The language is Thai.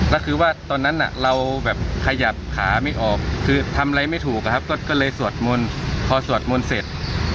แล้วคือว่าตอนนั้นเราขยับขาไม่ออกเขานั้นก็ทำอะไรไม่ถูกก็เลยคือสวัสดิ์มนต์เพราะสวัสดิ์มนต์เสร็จ